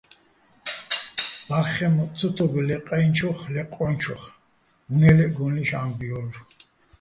ბა́ხხეჼ მოტტ ცო თო́უგო̆ ლე ყაჲნჩოხე́ ლე ყო́ნუჩოხ, უ̂ნე ლე́ჸ გო́ლლიშ ა́მბუჲ ჲო́ლო̆.